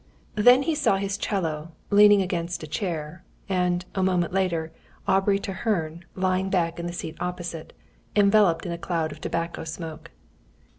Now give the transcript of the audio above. Then he saw his 'cello, leaning against a chair; and, a moment later, Aubrey Treherne, lying back in the seat opposite, enveloped in a cloud of tobacco smoke.